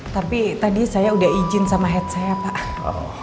tapi tadi saya udah izin sama head saya pak